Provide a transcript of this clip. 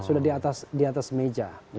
sudah di atas meja